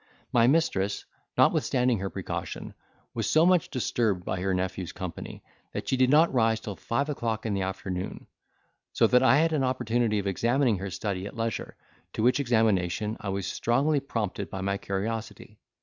My mistress, notwithstanding her precaution, was so much disturbed by her nephew's company, that she did not rise till five o'clock in the afternoon; so that I had an opportunity of examining her study at leisure, to which examination I was strongly prompted by my curiosity.